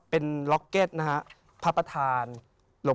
พระพุทธพิบูรณ์ท่านาภิรม